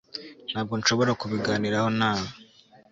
ntabwo nshobora kubiganiraho nawe